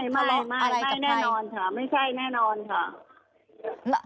ไม่แน่นอนค่ะไม่ใช่แน่นอนค่ะ